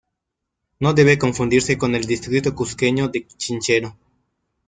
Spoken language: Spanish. No debe confundirse con el distrito cusqueño de Chinchero.